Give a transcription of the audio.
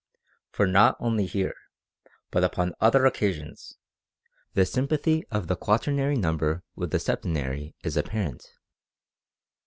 ... For not only here, but upon other occasions, the sympathy of the quaternary number with the septenary is apparent.